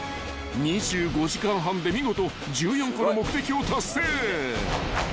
［２５時間半で見事１４個の目的を達成］